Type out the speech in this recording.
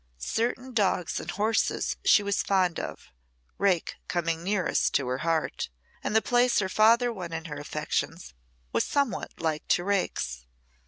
Certain dogs and horses she was fond of, Rake coming nearest to her heart, and the place her father won in her affections was somewhat like to Rake's.